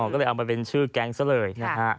ก็เลยเอามาเป็นชื่อแก๊งซะเลยนะฮะ